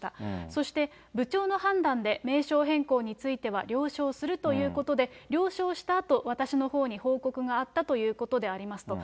そして、部長の判断で名称変更については了承するということで、了承したあと、私のほうに報告があったということでありますと。